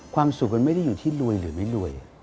ความสุขมันไม่ได้อยู่ที่รวยหรือไม่รวย